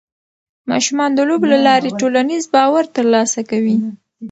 ماشومان د لوبو له لارې ټولنیز باور ترلاسه کوي.